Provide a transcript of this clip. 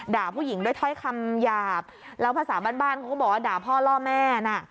ด่าผู้หญิงด้วยถ้อยคำหยาบแล้วภาษาบ้านเขาก็บอกว่าด่าพ่อล่อแม่น่ะ